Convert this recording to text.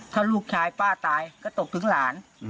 ถ้าลูกชายป้าตายก็ตกถึงหลาน